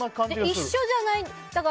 一緒じゃない。